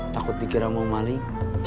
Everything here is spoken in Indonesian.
takut dikira mau maling